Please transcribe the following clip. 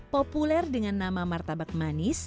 populer dengan nama martabak manis